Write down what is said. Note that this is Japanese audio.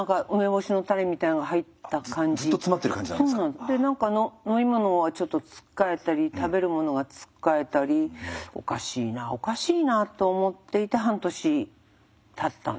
で何か飲み物をちょっとつっかえたり食べるものがつっかえたりおかしいなおかしいなと思っていて半年たったんですね。